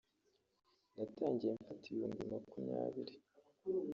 natangiye mfata ibihumbi makumyabiri